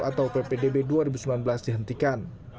atau ppdb dua ribu sembilan belas dihentikan